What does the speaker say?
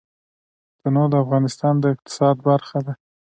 تنوع د افغانستان د اقتصاد برخه ده.